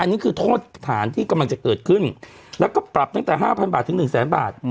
อันนี้คือโทษฐานที่กำลังจะเกิดขึ้นแล้วก็ปรับตั้งแต่๕๐๐บาทถึง๑แสนบาท